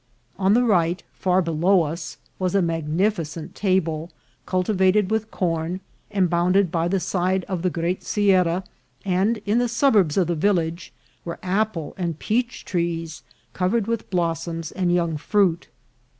On the right, far below us, was a magnificent table cultivated with corn, and bounded by the side of the great sierra ; and in the suburbs of the village were apple and peach trees covered with blossoms and young fruit.